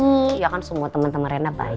iya kan semua temen temen arena baik